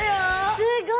すごい。